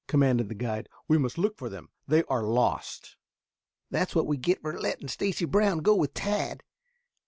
commanded the guide. "We must look for them. They are lost." "That's what we get for letting Stacy Brown go with Tad.